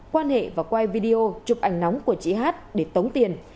quan hệ và quay video chụp ảnh nóng của chị hát để tống tiền